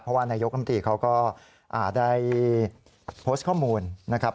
เพราะว่านายกรรมตรีเขาก็ได้โพสต์ข้อมูลนะครับ